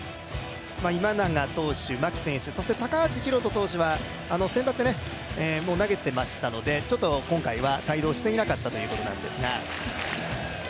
今永投手、牧選手、そして高橋宏斗投手はせんだって投げていましたので、今回は帯同していなかったということなんですが。